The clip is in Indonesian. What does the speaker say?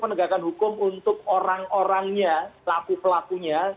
penegakan hukum untuk orang orangnya pelaku pelakunya